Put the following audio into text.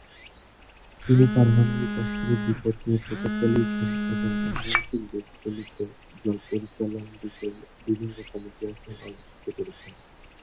তিনি পারমাণবিক অস্ত্রের বিপদ নিয়ে প্রচার চালিয়েছিলেন এবং উন্নয়নশীল দেশগুলিতে জল পরিচালন বিষয়ে বিভিন্ন কমিটির আসন অলংকৃত করেছিলেন।